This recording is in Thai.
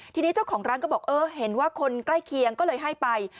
ทีนี้เจ้าของร้านก็บอกเออเห็นว่าคนใกล้เคียงก็เลยให้ไป